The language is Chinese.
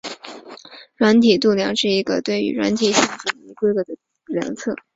软体度量是一个对于软体性质及其规格的量测。